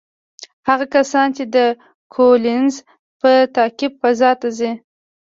هغه کسان چې د کولینز په تعقیب فضا ته ځي،